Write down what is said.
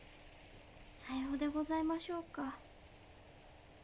さようでございましょうか。